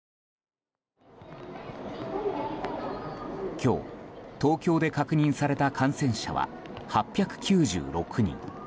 今日、東京で確認された感染者は８９６人。